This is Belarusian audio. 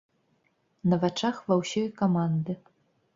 На вачах ва ўсёй каманды.